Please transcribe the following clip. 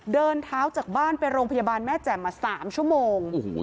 เดินเท้าจากบ้านไปโรงพยาบาลแม่แจ่มมา๓ชั่วโมง